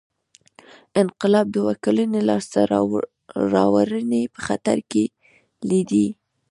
انقلاب دوه کلنۍ لاسته راوړنې په خطر کې لیدې.